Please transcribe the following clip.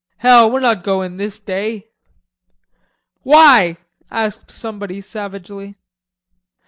"Hell, we're not goin' this day." "Why?" asked somebody savagely.